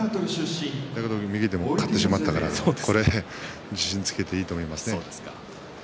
でも右で勝ってしまったから自信つけていいと思います。